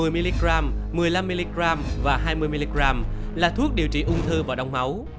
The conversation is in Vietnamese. một mươi mg một mươi năm mg và hai mươi mg là thuốc điều trị ung thư và đồng máu